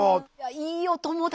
いいお友達。